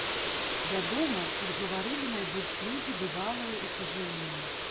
Вядома, тут гаварылі найбольш людзі бывалыя і пажылыя.